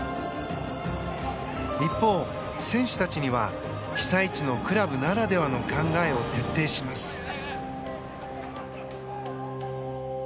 一方、選手たちには被災地のクラブならではの考えを徹底します。